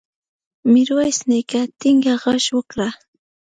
میرویس نیکه ټینګه غېږ ورکړه.